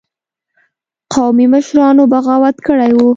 قومي مشرانو بغاوت کړی وو.